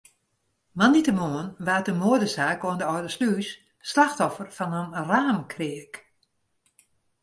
Moandeitemoarn waard in moadesaak oan de Alde Slûs slachtoffer fan in raamkreak.